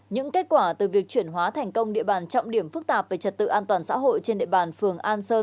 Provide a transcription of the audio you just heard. những kết quả từ việc chuyển hóa thành công địa bàn trọng điểm phức tạp về trật tự an toàn xã hội trên địa bàn phường an sơn